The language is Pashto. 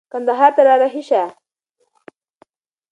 کندهار ته را رهي شه.